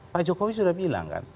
pak jokowi sudah bilang kan